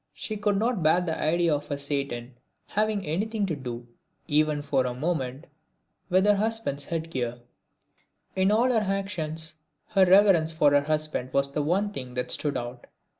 She could not bear the idea of Satan having anything to do, even for a moment, with her husband's head gear. In all her actions her reverence for her husband was the one thing that stood out.